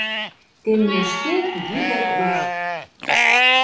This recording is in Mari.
Теммешкет йӱ да куш!